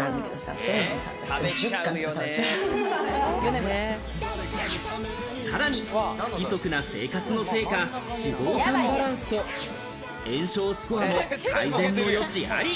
そういうのをさらに、不規則な生活のせいか、脂肪酸バランスと炎症スコアも改善の余地あり。